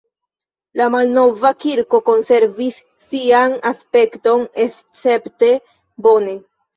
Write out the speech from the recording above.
La malnova kirko konservis sian aspekton escepte bone.